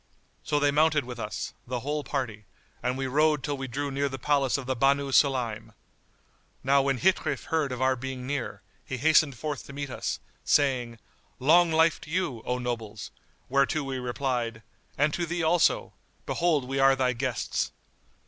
So they mounted with us, the whole party, and we rode till we drew near the place of the Banu Sulaym. Now when Ghitrif heard of our being near, he hastened forth to meet us, saying, "Long life to you, O nobles!"; whereto we replied, "And to thee also! Behold we are thy guests."